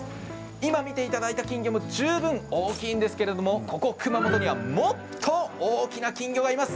今、見ていただいた金魚も十分、大きいんですけどここ熊本にはもっと大きな金魚がいます。